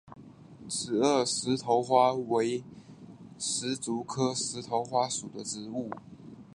紫萼石头花为石竹科石头花属的植物。